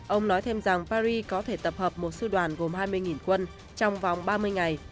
ông nói thêm rằng paris có thể tập hợp một sư đoàn gồm hai mươi quân trong vòng ba mươi ngày